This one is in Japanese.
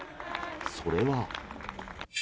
それは。